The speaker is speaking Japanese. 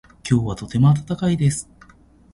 今日はとても暖かいです。